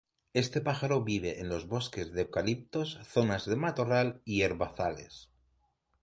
Este pájaro vive en los bosques de eucaliptos, zonas de matorral y herbazales.